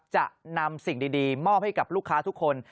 จะนำสิ่งดีมอบให้กับลูกค้าทุกคน